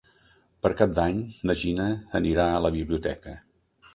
Per Cap d'Any na Gina anirà a la biblioteca.